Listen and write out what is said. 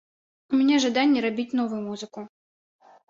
У мяне жаданне рабіць новую музыку.